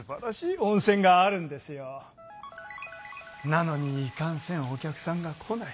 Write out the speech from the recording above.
なのにいかんせんお客さんが来ない。